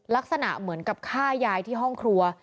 ลักษณะเหมือนกับฆ่ายายที่ห้องครัว